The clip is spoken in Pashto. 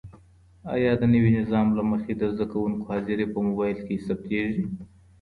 آیا د نوي نظام له مخې د زده کوونکو حاضري په موبایل کي ثبتيږي؟